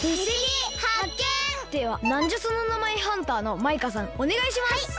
ではなんじゃその名前ハンターのマイカさんおねがいします。